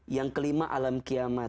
yang kelima alam kiamat